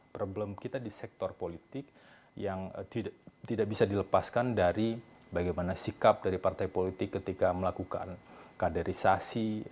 problem kita di sektor politik yang tidak bisa dilepaskan dari bagaimana sikap dari partai politik ketika melakukan kaderisasi